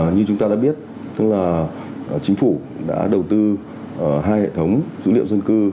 như chúng ta đã biết chính phủ đã đầu tư hai hệ thống dữ liệu dân cư